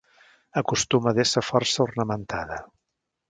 Acostuma d'ésser força ornamentada.